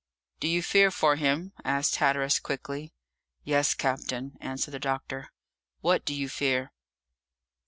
"Do you fear for him?" asked Hatteras quickly. "Yes, captain," answered the doctor. "What do you fear?"